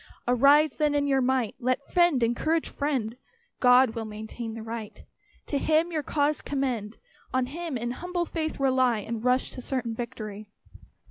Arise then in your might! Let friend encourage friend; God will maintain the right; To Him your cause commend. On Him in humble faith rely, And rush to certain victory.